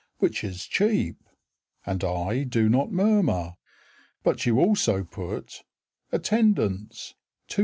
Which is cheap; And I do not murmur; But you also put Attendance, 2s.